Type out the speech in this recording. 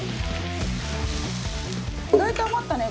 意外と余ったね